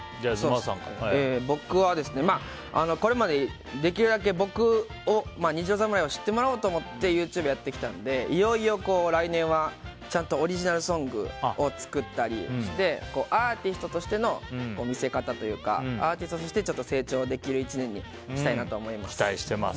僕は、これまでできるだけ虹色侍を知ってもらおうと思ってＹｏｕＴｕｂｅやってきたのでいよいよ来年は、ちゃんとオリジナルソングを作ったりしてアーティストとしての見せ方というかアーティストとして成長できる１年にしたいなと思います。